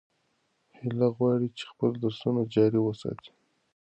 هیله غواړي چې خپل درسونه جاري وساتي.